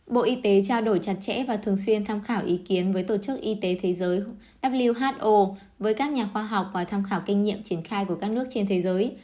bộ y tế trao đổi chặt chẽ và thường xuyên tham khảo ý kiến với tổ chức y tế thế giới who với các nhà khoa học và tham khảo kinh nghiệm triển khai của các nước trên thế giới